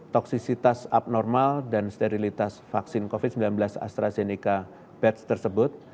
toksisitas abnormal dan sterilitas vaksin covid sembilan belas astrazeneca batch tersebut